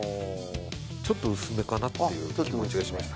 ちょっと薄めかなっていう気持ちがしました